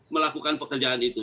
melakukan pekerjaan itu